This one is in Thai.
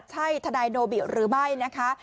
ใช่ทนายโนบิหรือไม่นะคะ